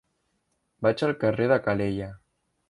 Vaig al carrer de Calella.